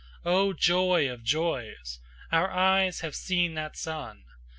O joy of joys! our eyes have seen that Sun!